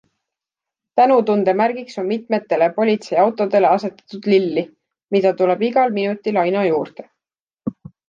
Tänutunde märgiks on mitmetele politseiautodele asetatud lilli, mida tuleb igal minutil aina juurde.